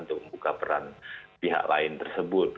untuk membuka peran pihak lain tersebut